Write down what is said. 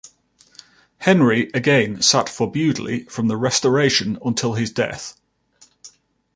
Henry again sat for Bewdley from the Restoration until his death.